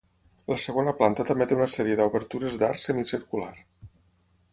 La segona planta també té una sèrie d'obertures d'arc semicircular.